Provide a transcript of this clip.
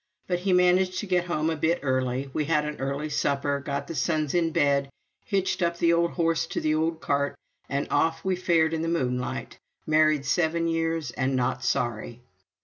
But he managed to get home a bit early; we had an early supper, got the sons in bed, hitched up the old horse to the old cart, and off we fared in the moonlight, married seven years and not sorry.